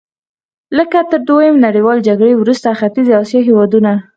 لکه تر دویمې نړیوالې جګړې وروسته ختیځې اسیا هېوادونه.